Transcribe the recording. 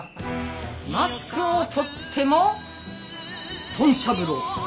マスクを取っても豚しゃぶ郎。